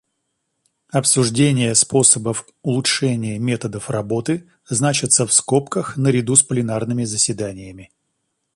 Обсуждения способов улучшения методов работы значатся в скобках наряду с пленарными заседаниями.